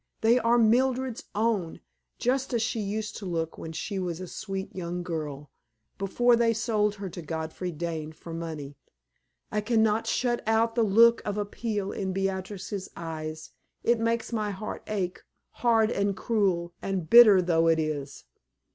They are Mildred's own just as she used to look when she was a sweet young girl, before they sold her to Godfrey Dane for money. I can not shut out the look of appeal in Beatrix's eyes; it makes my heart ache, hard, and cruel, and bitter though it is.